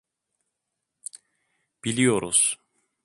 Biliyoruz.